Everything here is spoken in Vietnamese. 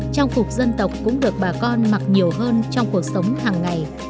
trang phục dân tộc cũng được bà con mặc nhiều hơn trong cuộc sống hàng ngày